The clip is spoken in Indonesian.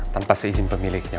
tanpa seizin pemiliknya